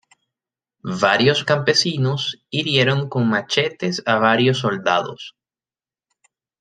Varios campesinos hirieron con machetes a varios soldados.